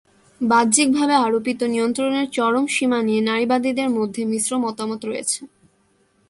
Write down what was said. বাহ্যিকভাবে আরোপিত নিয়ন্ত্রণের চরম সীমা নিয়ে নারীবাদীদের মধ্যে মিশ্র মতামত রয়েছে।